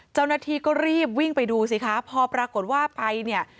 เจ้าหน้าที่ก็รีบวิ่งไปดูสิคะพอปรากฏว่าไปเนี่ย